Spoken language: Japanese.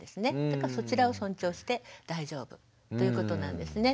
だからそちらを尊重して大丈夫ということなんですね。